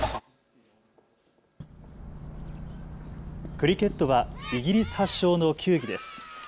クリケットはイギリス発祥の球技です。